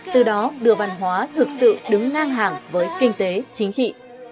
từ đó đưa văn hóa thực sự đứng ngang hàng với kinh tế chính trị